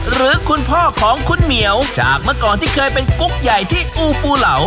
หรือคุณพ่อของคุณเหมียวจากเมื่อก่อนที่เคยเป็นกุ๊กใหญ่ที่อูฟูเหลา